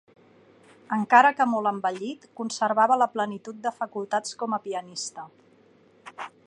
Encara que molt envellit, conservava la plenitud de facultats com a pianista.